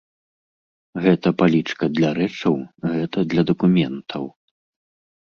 Гэта палічка для рэчаў, гэта для дакументаў.